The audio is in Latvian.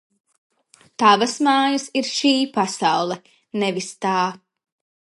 Tavas mājas ir šī pasaule, nevis tā!